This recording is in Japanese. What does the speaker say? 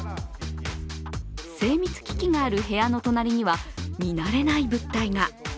精密機器がある部屋の隣には見慣れない物体が。